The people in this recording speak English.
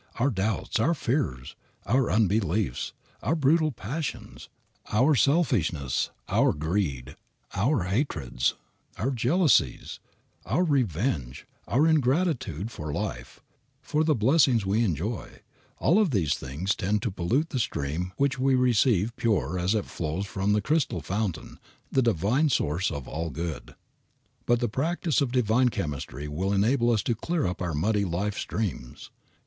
Our doubts, our fears, our unbeliefs, our brutal passions, our selfishness, our greed, our hatreds, our jealousies, our revenge, our ingratitude for life, for the blessings we enjoy, all of these things tend to pollute the stream which we receive pure as it flows from the crystal fountain, the divine source of the All Good. But the practice of divine chemistry will enable us to clear up our muddy life streams.